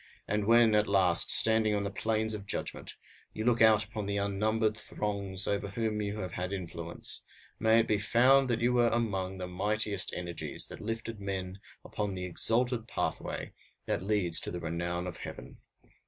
And when, at last, standing on the plains of judgment, you look out upon the unnumbered throngs over whom you have had influence, may it be found that you were among the mightiest energies that lifted men upon the exalted pathway that leads to the renown of heaven.